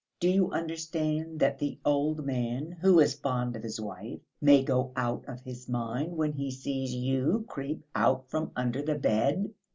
Do you understand that the old man, who is fond of his wife, may go out of his mind when he sees you creep out from under the bed?